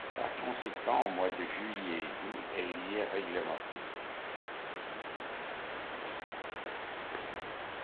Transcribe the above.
Par conséquent, au mois de juillet et d'août, elle y est réglementée.